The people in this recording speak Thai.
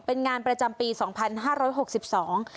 เป็นงานประจำปีสองพันห้าร้อยหกสิบสอง